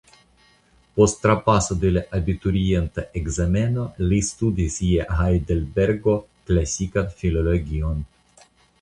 Post trapaso de la abiturienta ekzameno li studis je Hajdelbergo klasikan filologion.